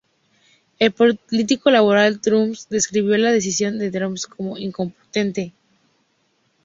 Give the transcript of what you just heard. El político laboral Tony Burke describió la decisión de Andrews como "incompetente".